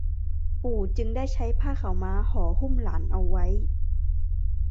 ปู่จึงได้ใช้ผ้าขาวม้าห่อหุ้มหลานเอาไว้